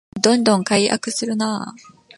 どんどん改悪するなあ